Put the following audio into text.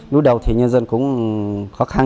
lúc đầu thì nhân dân cũng khó khăn